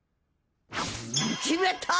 決めた！